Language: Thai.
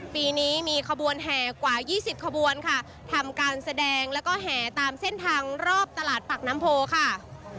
ปีนี้มีขบวนแห่กว่า๒๐ขบวนค่ะทำการแสดงแล้วก็แห่ตามเส้นทางรอบตลาดปากน้ำโพค่ะ